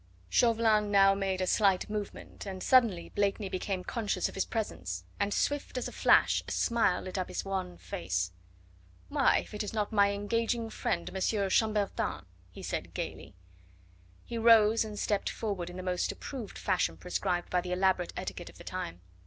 Chauvelin now made a slight movement and suddenly Blakeney became conscious of his presence, and swift as a flash a smile lit up his wan face. "Why! if it is not my engaging friend Monsieur Chambertin," he said gaily. He rose and stepped forward in the most approved fashion prescribed by the elaborate etiquette of the time.